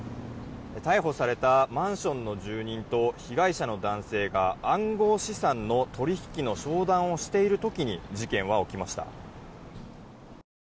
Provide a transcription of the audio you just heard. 逮捕されたマンションの住人と被害者の男性が暗号資産の取引の商談をしている時に事件は起きました。